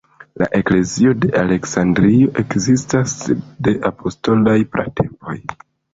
La "eklezio de Aleksandrio" ekzistas de apostolaj pratempoj.